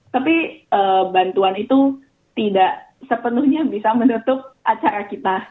tapi bantuan itu tidak sepenuhnya bisa menutup acara kita